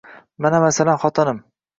Mana masalan, xotinim